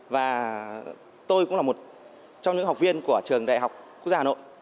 và tôi cũng là một trong những học viên của trường đại học quốc gia hà nội